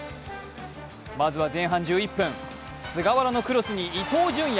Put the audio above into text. まずは前半１１分、菅原のクロスに伊東純也。